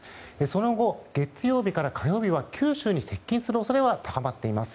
その後、月曜日から火曜日は九州に接近する恐れが高まっています。